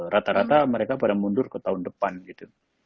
rata rata mereka pada mundur ke tahun depan gitu